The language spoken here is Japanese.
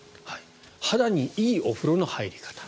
肌にいいお風呂の入り方。